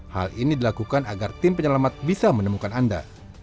hal ini dilakukan agar tim penyelamat bisa menemukan anda